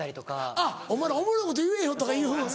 あっ「お前らおもろいこと言えよ」とかいう。